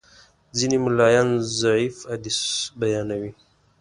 ځینې ملایان ضعیف حدیث بیانوي.